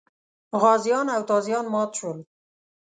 غازیان او تازیان مات شول.